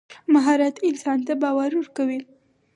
مهارت انسان ته باور ورکوي.